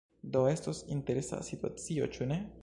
Do, estos interesa situacio, ĉu ne?